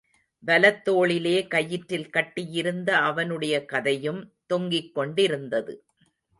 வலத் தோளிலே கயிற்றில் கட்டியிருந்த அவனுடைய கதையும் தொங்கிக்கொண்டிருந்தது.